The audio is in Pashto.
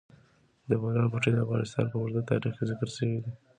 د بولان پټي د افغانستان په اوږده تاریخ کې ذکر شوی دی.